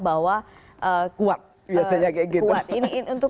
bahwa kuat biasanya kayak gitu